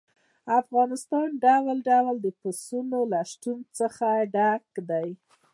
افغانستان د ډول ډول پسونو له شتون څخه ډک دی.